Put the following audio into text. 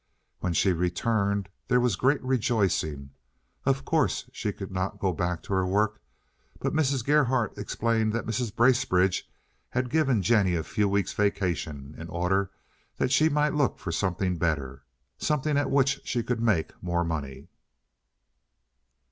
When she returned there was great rejoicing. Of course she could not go back to her work, but Mrs. Gerhardt explained that Mrs. Bracebridge had given Jennie a few weeks' vacation in order that she might look for something better, something at which she could make more money.